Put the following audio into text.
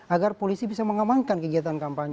agar polisi bisa mengamankan kegiatan kampanye